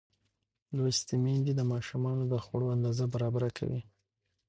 لوستې میندې د ماشومانو د خوړو اندازه برابره کوي.